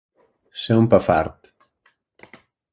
Ser un pafart.